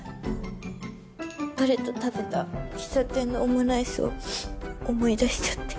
彼と食べた喫茶店のオムライスを思い出しちゃって。